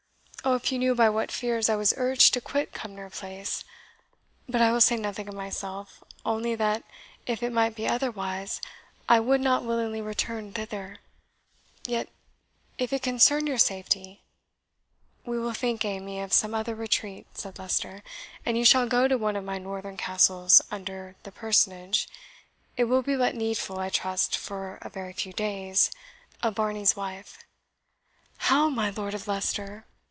Oh, if you knew by what fears I was urged to quit Cumnor Place! But I will say nothing of myself only that if it might be otherwise, I would not willingly return THITHER; yet if it concern your safety " "We will think, Amy, of some other retreat," said Leicester; "and you shall go to one of my northern castles, under the personage it will be but needful, I trust, for a very few days of Varney's wife." "How, my Lord of Leicester!"